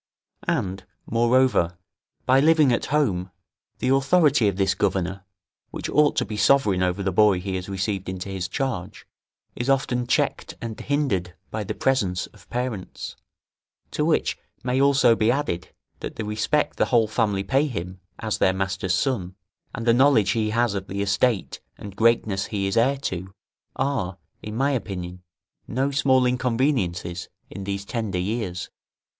And, moreover, by living at home, the authority of this governor, which ought to be sovereign over the boy he has received into his charge, is often checked and hindered by the presence of parents; to which may also be added, that the respect the whole family pay him, as their master's son, and the knowledge he has of the estate and greatness he is heir to, are, in my opinion, no small inconveniences in these tender years.